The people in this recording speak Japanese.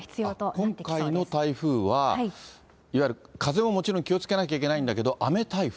今回の台風は、いわゆる風ももちろん気をつけなきゃいけないんだけど、雨台風？